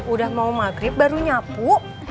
udah mau maghrib baru nyapu